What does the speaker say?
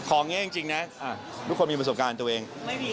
ขอแน่ยังจริงทุกคนมีประสบการณ์ตัวเอง